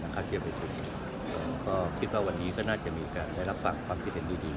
คิดว่าวันนี้ก็น่าจะมีอันใดรับฝั่งความที่เห็นดี